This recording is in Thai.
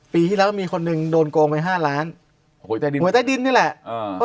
ปีที่แล้วมีคนหนึ่งโดนกงไว้๕ล้านหัวไหวใต้ดินนี่แหละเพราะ